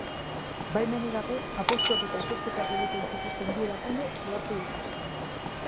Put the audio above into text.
Baimenik gabe apustuak eta zozketak egiten zituzten bi erakunde zigortu dituzte.